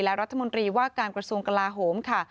และรัฐมนตรีว่าการกระทรวงกลาโหมค่ะ